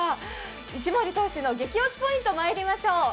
石森投手のゲキ押しポイントまいりましょう。